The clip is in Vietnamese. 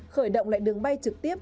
khởi động lại đường bay trực tiếp